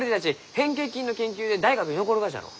変形菌の研究で大学に残るがじゃろ？